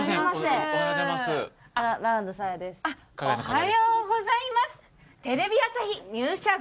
おはようございます。